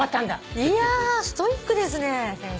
いやストイックですね先生。